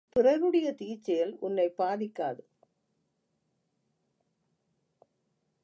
பிறருடைய தீச்செயல் உன்னைப் பாதிக்காது.